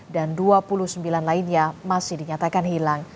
dan dua puluh sembilan lainnya masih dinyatakan hilang